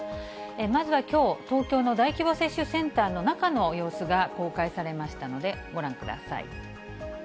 まずはきょう、東京の大規模接種センターの中の様子が公開されましたので、ご覧ください。